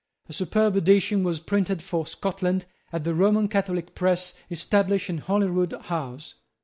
A superb edition was printed for Scotland at the Roman Catholic press established in Holyrood House.